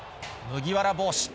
麦わら帽子。